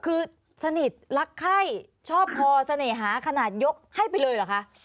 คือสนิทรักไข้ชอบพอเสน่หาขนาดยกให้ไปเลยเหรอคะ